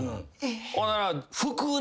ほんなら。